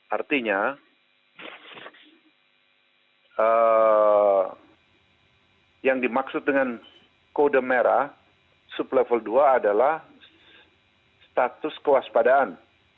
artinya yang dimaksud dengan kode merah sub level dua adalah status kewaspadaan